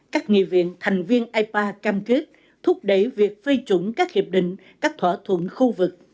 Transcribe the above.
các nghị viện thành viên ipa cam kết thúc đẩy việc phê chủng các hiệp định các thỏa thuận khu vực